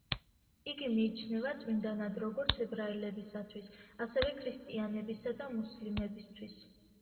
იგი მიიჩნევა წმინდად როგორც ებრაელებისთვის, ასევე ქრისტიანებისა და მუსლიმებისთვის.